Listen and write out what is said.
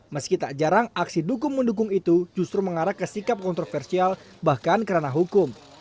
meski tak jarang aksi dukung mendukung itu justru mengarah ke sikap kontroversial bahkan kerana hukum